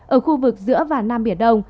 ở khu vực giữa và nam biển đông